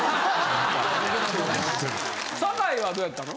坂井はどうやったの？